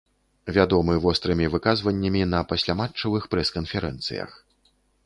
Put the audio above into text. Вядомы вострымі выказваннямі на пасляматчавых прэс-канферэнцыях.